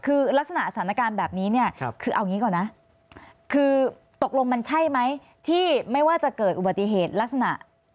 คือลักษณะสถานการณ์แบบนี้เนี่ยคือเอางี้ก่อนนะคือตกลงมันใช่ไหมที่ไม่ว่าจะเกิดอุบัติเหตุลักษณะ